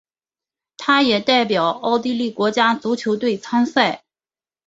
他也代表奥地利国家足球队参赛。